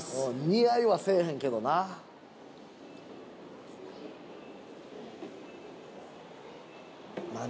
似合いはせえへんけどな何？